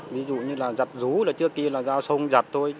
ví dụ như là giặt rú là trước kia là ra sông giặt tôi